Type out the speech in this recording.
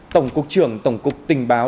tổng cục trưởng tổng cục tình báo